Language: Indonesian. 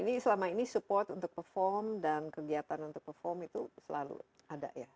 ini selama ini support untuk perform dan kegiatan untuk perform itu selalu ada ya